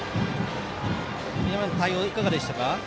今の対応はいかがでしたか？